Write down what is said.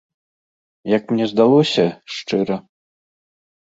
Як мне здалося, шчыра.